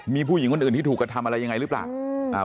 มีผู้หญิงคนอื่นที่ถูกกระทำอะไรยังไงหรือเปล่า